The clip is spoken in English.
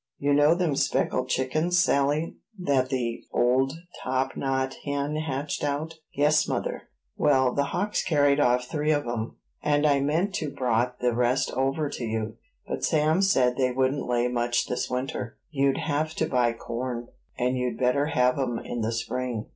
You know them speckled chickens, Sally, that the old top knot hen hatched out." "Yes, mother." "Well, the hawks carried off three of 'em; and I meant to brought the rest over to you, but Sam said they wouldn't lay much this winter; you'd have to buy corn, and you'd better have 'em in the spring.